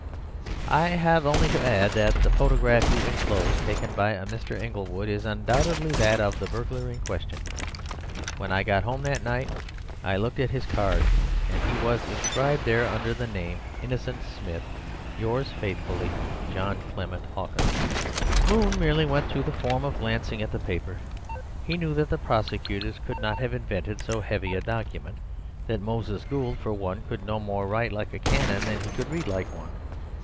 "I have only to add that the photograph you enclose, taken by a Mr. Inglewood, is undoubtedly that of the burglar in question. When I got home that night I looked at his card, and he was inscribed there under the name of Innocent Smith.—Yours faithfully, "John Clement Hawkins." Moon merely went through the form of glancing at the paper. He knew that the prosecutors could not have invented so heavy a document; that Moses Gould (for one) could no more write like a canon than he could read like one.